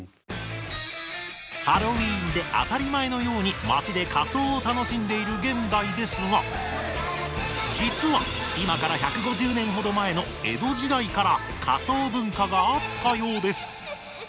ハロウィーンで当たり前のように街で仮装を楽しんでいる現代ですが実は今から１５０年ほど前の江戸時代から仮装文化があったようです。